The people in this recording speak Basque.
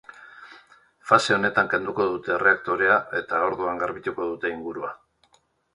Fase honetan kenduko dute erreaktorea, eta orduan garbituko dute ingurua.